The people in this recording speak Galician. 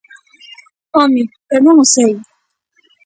¡Home!, eu non o sei.